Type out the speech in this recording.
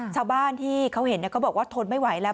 ชาวบ้านที่เขาเห็นเขาบอกว่าทนไม่ไหวแล้ว